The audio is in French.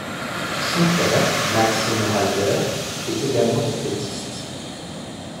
Son père, Max Sommerhalder, est également trompettiste.